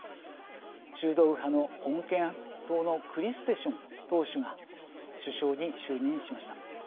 中道右派の穏健党のクリステション党首が首相に就任しました。